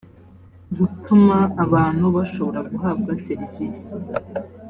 gutuma abantu bashobora guhabwa serivisi